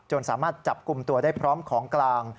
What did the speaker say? สามารถจับกลุ่มตัวได้พร้อมของกลาง